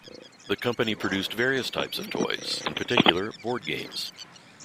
The company produced various types of toys, in particular board games.